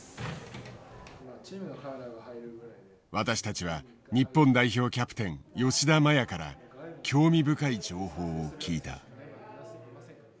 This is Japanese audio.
私たちは日本代表キャプテン吉田麻也から興味深い情報を聞いた。